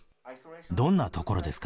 どんなところですか。